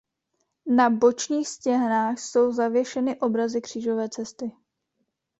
Na bočních stěnách jsou zavěšeny obrazy Křížové cesty.